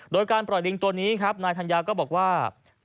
โดยการปล่อยลิงตัวนี้ครับนายธัญญาก็บอกว่า